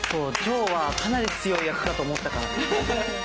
呈はかなり強い役かと思ったからね。